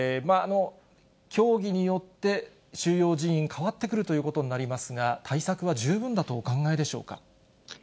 競技によって、収容人員変わってくるということになりますが、対策は十分だとお考えでしょうか。